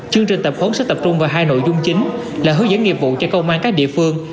chương trình tập huấn sẽ tập trung vào hai nội dung chính là hướng dẫn nghiệp vụ cho công an các địa phương